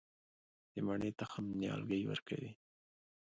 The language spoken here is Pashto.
د مڼې تخم نیالګی ورکوي؟